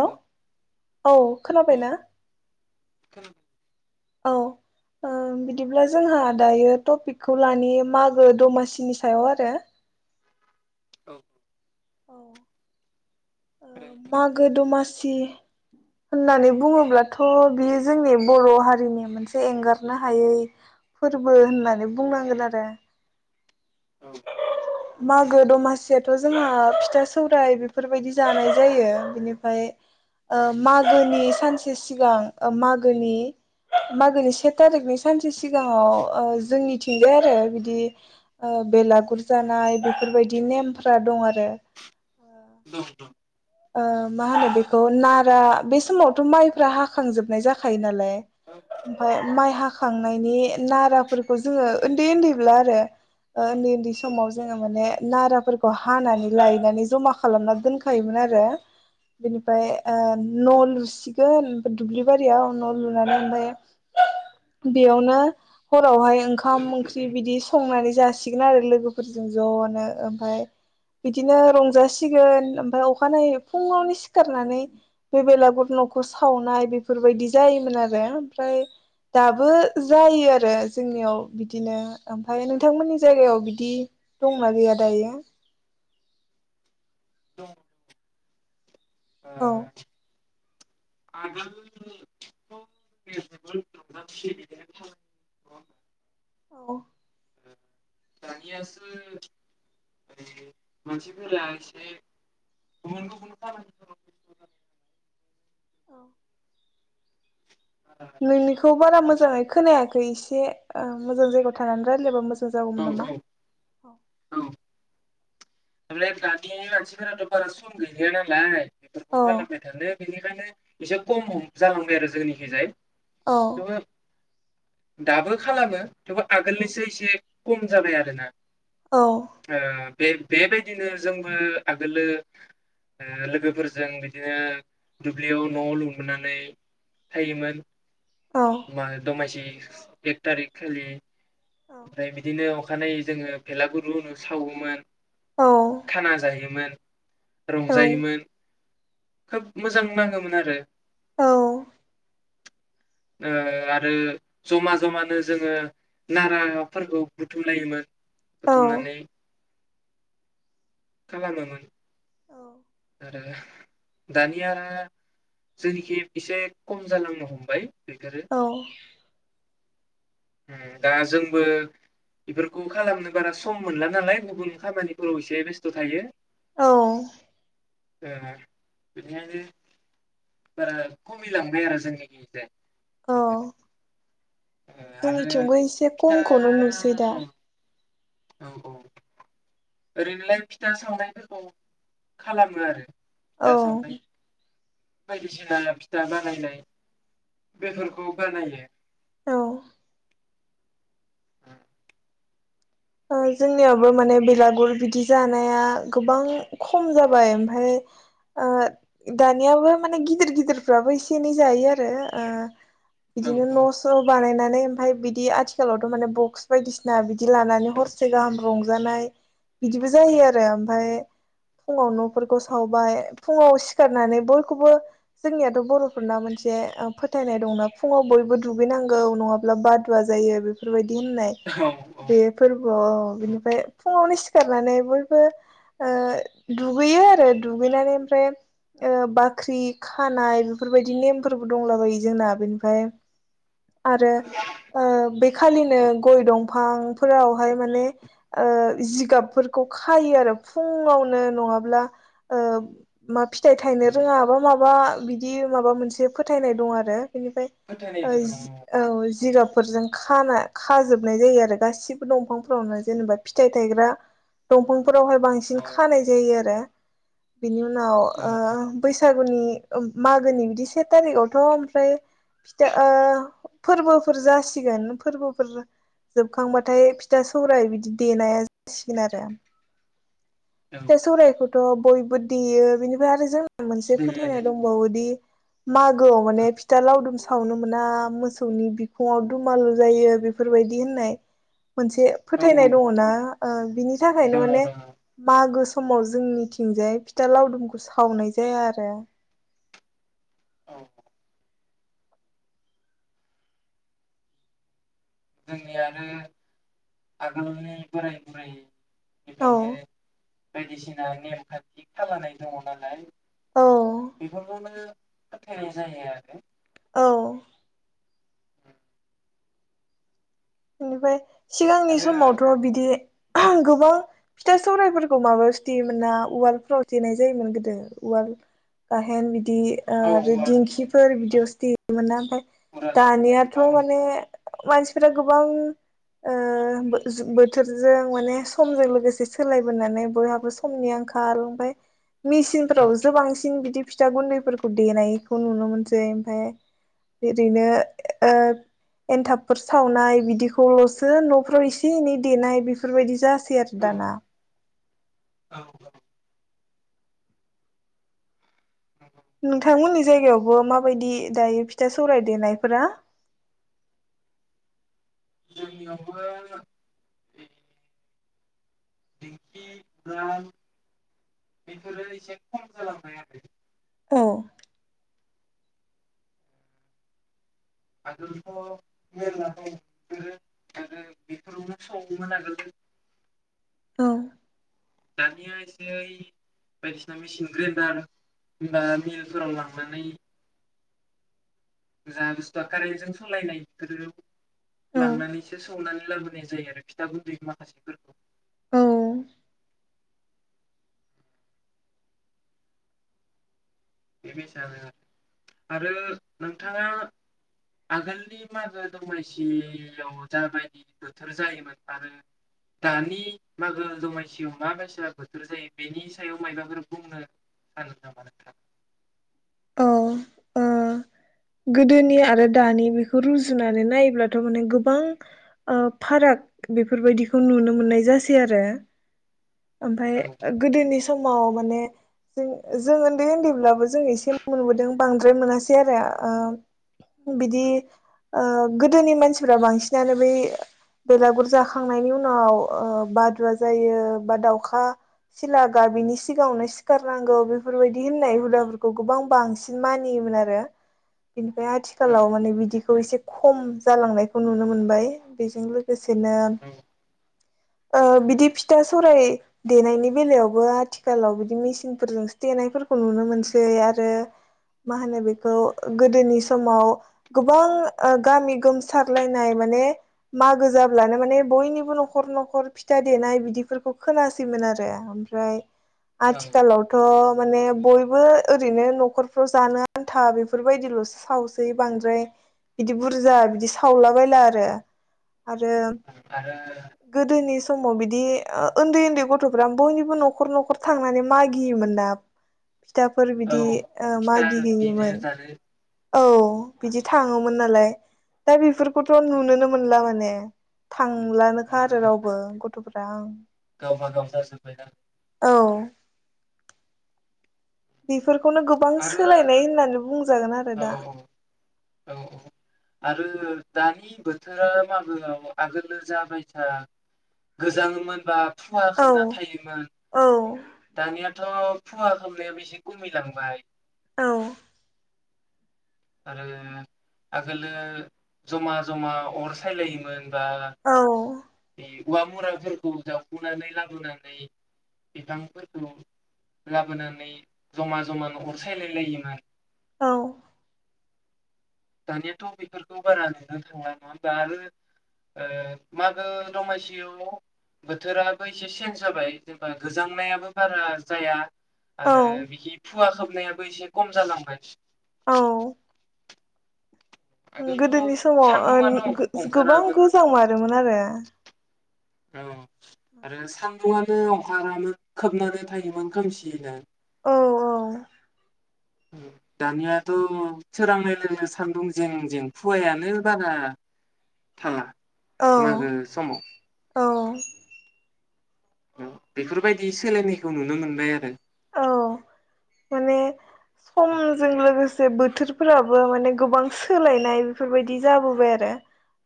Hello hello औ औ खोनाबायना? खोनादों औ बिदिब्ला ओ जोंहा दायो टपिकखौ लानो मागो दमासिनि सायाव आरो। औ औ। औ ओ थारैनो मागो दमा थि होननानै बुङोब्लाथ बियो जोंनि बर' हारिनि मोनसे एंगारनो हायै फोरबो होननानै बुंनांगोन आरो औ मागो दमासियाथ जोंहा फिथा सौराइ बेफोरबायदि जानाय जायो बिनिफ्राय मागोनि सानसे सिगां मागोनि मागोनि से थारिखनि सानसे सिगाङाव जोंनिथिंजाय आरो बिदि ओ बेलागुर जानाय बेफोरबायदि नेमफ्रा दं आरो दं दं ओ मा होनो बेखौ नारा बे समावथ माइफ्रा हाखांजोबनाय जाखायो नालाय औ ओमफ्राय माइ हाखां खांनायनि नाराफोरखौ जोङो उन्दै उन्दैब्ला आरो उन्दै उन्दै समाव जोङो माने नाराफोरखौ हानानै लायनानै जमा खालामना दोनखायोमोन आरो बेनिफ्राय औ न लुसिगोन दुब्लि बारियाव न लुनानै ओमफ्राय बेयावनो बेवहाय ओंखाम लोगोफोरजों ओंख्रि बिदि संनानै जासिगोन आरो लोगोफोरजों जनो ओमफ्राय बिदिनो रंजासिगोन ओमफ्राय अ अखानायै फुङावनो सिखारनानै बे बेलागुर नखौ सावनाय बेफोरबायदि जायोमोन आरो ओमफ्राय दाबो जायो आरो जोंनियाव बिदिनो ओमफ्राय नोंथांमोननि जायगायाव बिदि दंना गैया दायो दं ओ औ आगोलथ [unintelligible] औ दानियासो मानसिफोरा एसे गुबुन गुबुन खामानिफोराव बेस्त जानानै औ नोंनिखौ बारा मोजाङै खोनाया इसे मोजां जायगायाव थानानै रायलायबा मोजां जागौमोन नामा औ औ ओमफ्राय दानि मानसिफोरा थ बारा सम गैलिया नालाय बेफोरखौ खालामबाय थानो बेनिखायनो एसे खम जालांबाय आरो जोंनिखिजाय औ थेवबो दाबो खालामो थेवबो आगोलनिसो एसे खम जाबाय आ औ [unintelligible] ओ बे बेबायदिनो जोंबो आगोलो लोगोफोरजों बिदिनो दुब्लियाव नआव लुनबोनानै थायोमोन औ मा दमायसि एक तारिख खालि ओमफ्राय बिदिनो अखानायै जोङो बेलागुरु लुनु सावोमोन औ खाना जायोमोन रंजायोमोन खोब मोजां नाङोमोन आरो औ ओ आरो जमा जमानो जोङो नाराफोरखौ बुथुमलायोमोन औ बुथुमनानै खालामोमोन आरो दानिया जोंनिखि एसे खम जालांनो हमबाय बेफोरो औ उम दा जोंबो इफोरखौ खालामनो बारा सम मोनला नालाय गुबुन खामानिफोराव एसे बेस्थ' थायो औ ओ बिनिखायनो बारा खमिलांबाय आरो जोंनि गिजाय औ ओ आरो जोंनिथिंबो एसे फिथा खमखौनो नुसै दा औ औ ओरैनोलाय फिथा सावनायफोरखौ खालामो आरो औ फिथा सावनाय [inaudible] दिसिना फिथा बानायनाय बेफोरखौ बानायो औ औ जोंनियावबो माने बेलागुर बिदि जानाया गोबां खम जाबाय ओमफाय ओ दानियाबो माने गिदिर गिदिरफ्राबो एसे एनै जायो आरो ओ औ बिदिनो न'स' बानायना नै ओमफ्राय बिदि आथिखालावथ' माने बक्स बायदिसिना बिदि लानानै हरसे गाहाम रंजानाय बिदिबो जायो आरो ओमफाय फुङाव न फोरखौ सावबाय फुङाव सिखारनानै बयखौबो जोंनियाथ' बर'फोरना मोनसे ओ फोथायनाय दंना फुङाव बयबो दुगैनांगौ नङाब्ला बादुवा जायो बेफोरबायदि दि होननाय औ औ बेयो अ बिनिफ्राय फुङावनो सिखारनानै बयबो ओ दुगैयो आरो दुगैनानै ओमफ्राय ओ बाख्रि खानाय बेफोरबायदि नेमफोरबो दंलाबायो जोंना बेनिफ्राय आरो ओ बे खालिनो गय दंफां फोरावहाय माने ओ जिगाबफोरखौ खायो आरो फुङावनो नङाब्ला ओ मा फिथाइ थायनो रोङा बा माबा बिदि माबा मोनसे फोथायनाय दं आरो बेनिफ्राय फोथायनाय ओ दङ औ औ जिगाब फोरजों खाना खाजोबनाय जायो आरो गासिब बो दंफांफोरावनो जेनेबा फिथाइ थायग्रा दंफां फोरावहाय बांसिन औ खानाय जायो आ दा बिनि उनाव औ ओ बै सागुनि मागोनि बिदि से थारिखआवथ' ओमफ्राय फिथा ओ फोरबोफोर जासिगोन फोरबोफोर जोबखांबाथ थाय फिथा सौराय बिदि देनाया जासिगोन आरो औ फिथा सौरायखौ थ' बयबो देयो बेनिफ्राय आरो जों मोनसे दे फोथायनाय दे दंबावोदि मागोआव माने फिथा लावदुम साव खावनो मोना मोसौनि बिखुंआव दुमालु जायो बेफोरबायदि होननाय मोनसे औ फोथायनाय दङ ना ओं बिनि थाखायनो दङ माने दङ मागो समाव जोंनिथिंजाय फिथा लावदुमखौ सावनाय जाया आरो औ जोंनियानो आगोलनि बोराय बुरै औ बेखायनो बायदिसिना नेमखान्थि खालामनाय दङ नालाय औ बेफोरखौनो फोथायनाय जायो आरो औ ओमफाय सिगांनि आरो आरो समावथ' बिदि गोबां फिथा सौरायफोरखौ माबायाव देयोमोन ना उवालफोराव देनाय जायोमोन गोदो उवाल गाहेन बि दि औ आरो उवाल दिंखिफोर बिदियावसो देमोना ओमफाय उराल दानियाथ' औ माने मानसिफोरा गोबां ओ जु बोथोरजों माने समजों लोगोसे सोलायबोनानै बयहाबो समनि आंखाल ओमफाय मिसिनफोरावसो बांसिन बिदि फिथा गुन्दैफोरखौ देनायखौ नुनो मोनसै ओमफाय ओरैनो ओ एन्थाबफोर सावनाय बिदिखौल'सो न'फ्राव एसे एनै देनाय बेफोरबायदि जा सै आरो दाना औ औ नोंथांमोननि जायगायावबो माबायदि दायो फिथा सौराय देनायफोरा जोंनियावबो दिंखि उवाल बेफोरो एसे खम जालांबाय आरो औ आगोलथ' मेरला दो आरो बेफोरावनो सङोमोन आगोल औ दानिया एसे बायदिसिना मेचिन ग्रेन्दार बा मिलफोराव लांनानै ज बुस्थुआ कारेन्टजों सालायनाय गदोराव [unintelligible] औ लांनानैसो सौनानै लाबो नाय जायो आरो फिथा गुन्दै माखासेफोरखौ औ बेबायसानो आरो आरो नोंथाङा आगोलनि मागो दमासियाव जाबायदि बोथोर जायोमोन आरो दानि मागो दमासियाव माबायसा बोथोर जायो बेनि सायाव मायबाफोर बुंनो सानो नामा नोंथाङा औ ओ गोदोनि आरो दानि बेखौ रुजुनानै नायोब्लाथ' माने गोबां ओ फाराग बेफोरबायदिखौ नुनो मोननाय जासै आरो ओमफाय औ गोदोनि समाव माने जों जों उन्दै उन्दैब्लाबो जों एसे मोनबोदों बांद्राय मोनासै आरो ओ बिदि ओ गोदोनि मानसिफ्रा बांसिनानो बै बेलागुर जाखांनायनि उनाव ओ बादुवा जायो बा दाउखा सिला गाबिनि सिगाङावनो सिखारनांगौ बेफोरबायदि होननाय हुदाफोरखौ गोबां बांसिन मानियोमोन आरो बिनिफ्राय औ आथिखालाव माने बिदि बे खौ एसे खम जालांनायखौ नुनो मोनबाय बेजों लोगोसे बिदिनो ओ बिदि फिथा सौराय देनायनि बेलायावबो आथिखालाव बिदि मेचिनफोरजोंसो देनायफोरखौ नुनो मोनसै आरो मा होनो बेखौ गोदोनि समाव गोबां ओ गामि गोमसारलायनाय माने मागो जाब्लानो माने बयनिबो न'खर न'खर फिथा देनाय बिदिफोरखौ खोनासैमोन आरो ओमफ्राय औ आथिखालावथ' माने बयबो ओरैनो न'खरफ्राव जानो आन्था बेफोरबायदिल'सो सावसै बांद्राय बिदि बुरजा बिदि सावला बायला आरो आरो आरो गोदोनि समाव बिदि बिदि उन्दै उन्दै गथ'फ्रा बयनिबो न'खर न'खर थांनानै मागियोमोन ना फिथाफोर औ बिदि ओ फिथा मागि बिनो हैैयोमोन जानो औ बिदि थाङोमोन नालाय दा बेफोरखौथ' नुनोनो मोनला माने थांलानोखा नुनो आरो रावबो मोनला गथ'फ्रा ओं गावबा गाव जाजोब्बाय ना औ बि बेफोरखौनो गोबां आरो सोलायनाय होननानै बुंजागोन आरो औ दा औ औ आरो दानि बोथोरा मागोआव आगोलो जा बायसा गोजाङोमोनबा खुवा औ खोबना थायोमोन औ दानिया दाथ' खुवा खोबनायाबो एसे खमायलांबाय औ आरो आगोलो जमा जमा अर सायलायोमोन दा औ बे औवा मुराफोरखौ जावखुनानै लाबोनानै बिफांफोरखौ लाबोनानै जमा जमा अर सायलाय लायोमोन औ दानियाथ' बेफोरखौ बारा नुनो थांला नङा होमबा आरो ओ मागो दमासियाव बोथोराबो एसे चेन्ज जाबाय जेनेबा गोजांनायाबो बारा जाया औ आरो बिखि खुवा खोबनायाबो एसे खम जालांबाय औ आगोलथ' गोदोनि समाव सान्दुंआनो ओ गोबां अंखारामोन गोजां मारोमोन आरो औ आरो सान आनो अंखारामोन खोबनानै थायोमोन खोमसियैनो औ दानियाथ' सोरांनाय लोगो लोगो सान्दुं जें जें खुवायानो बारा थाङा मागो समाव औ औ बेफोरबायदि सोलायनायखौ नुनो मोनबाय आरो। औ माने समजों लोगोसे बोथोरफोराबो माने गोबां सोलायनाय बेफोरबायदि जाबोबाय आरो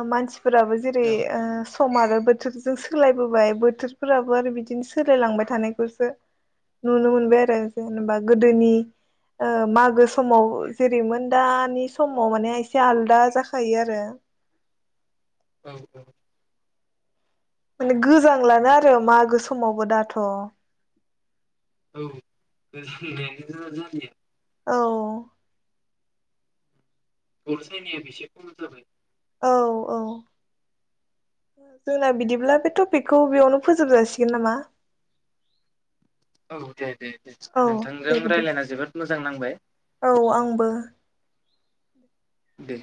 ओ मानसि फोराबो जेरै ओ सम आरो बोथोरजों सोलायबोबाय बोथोरफोराबो आरो बिदिनो सोलायलांबाय थानायखौसो नुनो मोनबाय आरो जेनेबा गोदोनि ओ मागो समाव जेरैमोन दानि समाव माने एसे आलदा जाखायो आरो। औ औ माने औ गोजांलानो आरो मागो समावबो दाथ' औ [unintelligible] औ अरसायनाया एसे खम जाबाय। औ औ जोंना बिदिब्ला बे टपिकखौ बेयावनो फोजोब जासिगोन नामा? औ दे दे औ नोंथांजों दे बिदि रायज्लायना जोबोद मोजां नांबाय। औ आंबो दे